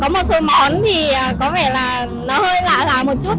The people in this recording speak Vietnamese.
một số món thì có vẻ là nó hơi lạ lạ một chút